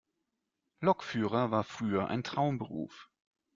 Lokführer war früher ein Traumberuf.